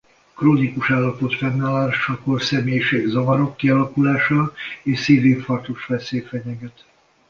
Krónikus állapot fennállásakor személyiségzavarok kialakulása és szívinfarktus-veszély fenyeget.